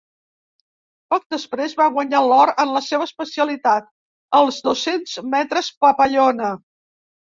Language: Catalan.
Poc després va guanyar l’or en la seva especialitat, els dos-cents metres papallona.